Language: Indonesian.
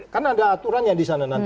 kan ada aturan yang di sana